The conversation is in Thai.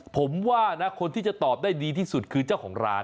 ผมว่านะคนที่จะตอบได้ดีที่สุดคือเจ้าของร้าน